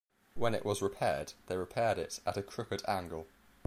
When it was repaired, they repaired it at a crooked angle.